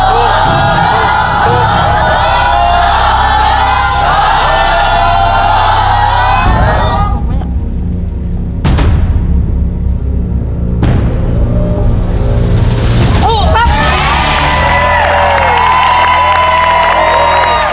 ถูกครับ